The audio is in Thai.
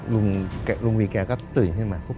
ลุงวีแกก็ตื่นขึ้นมา